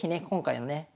今回のね